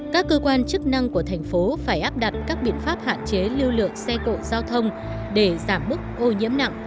các cơ quan chức năng của thành phố phải áp đặt các biện pháp hạn chế lưu lượng xe cộ giao thông để giảm mức ô nhiễm nặng